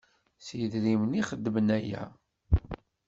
S yedrimen i txeddmem aya?